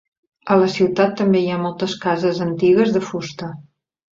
A la ciutat també hi ha moltes cases antigues de fusta.